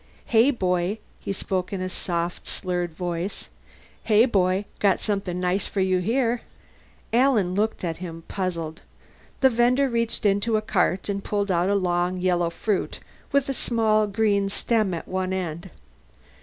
"Hey, boy." He spoke in a soft slurred voice. "Hey, boy. Got something nice for you here." Alan looked at him, puzzled. The vender reached into his cart and pulled out a long yellow fruit with a small, thick green stem at one end.